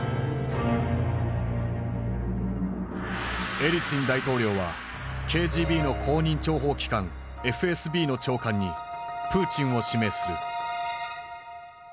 エリツィン大統領はＫＧＢの後任諜報機関ＦＳＢの長官にプーチンを指名する。